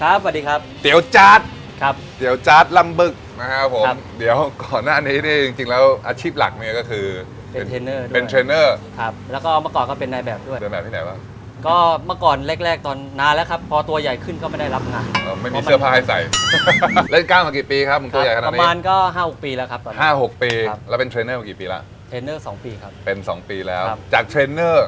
อาชีพหลักเนี่ยก็คือเป็นเทรนเนอร์ด้วยเป็นเทรนเนอร์ครับแล้วก็เมื่อก่อนก็เป็นรายแบบด้วยรายแบบที่ไหนบ้างก็เมื่อก่อนแรกตอนนานแล้วครับพอตัวใหญ่ขึ้นก็ไม่ได้รับงานไม่มีเสื้อผ้าให้ใส่เล่นก้าวมากี่ปีครับตัวใหญ่ขนาดนี้ประมาณก็๕๖ปีแล้วครับ๕๖ปีแล้วเป็นเทรนเนอร์มากี่ปีแล้วเทร